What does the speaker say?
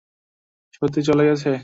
সত্যি চলে গেছে?